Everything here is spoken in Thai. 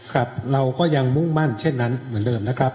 ครับเราก็ยังมุ่งมั่นเช่นนั้นเหมือนเดิมนะครับ